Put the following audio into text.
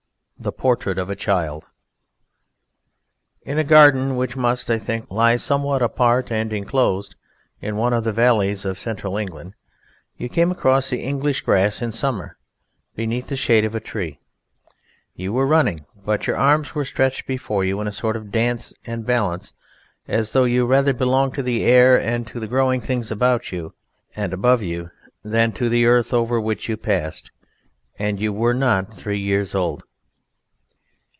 THE PORTRAIT OF A CHILD In a garden which must, I think, lie somewhat apart and enclosed in one of the valleys of central England, you came across the English grass in summer beneath the shade of a tree; you were running, but your arms were stretched before you in a sort of dance and balance as though you rather belonged to the air and to the growing things about you and above you than to the earth over which you passed; and you were not three years old.